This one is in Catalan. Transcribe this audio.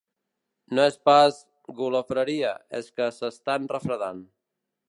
No és pas golafreria, és que s'están refredant.